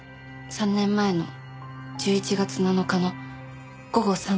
３年前の１１月７日の午後３時頃です。